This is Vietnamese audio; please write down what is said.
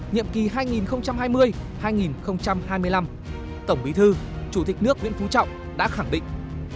nhiệm kỳ hai nghìn hai mươi hai nghìn hai mươi năm tổng bí thư chủ tịch nước nguyễn phú trọng đã khẳng định